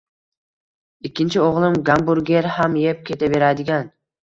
Ikkinchi o‘g‘lim gamburger ham yeb ketaveradigan